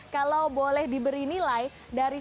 kalau boleh diberi nilai dari